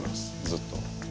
ずっと。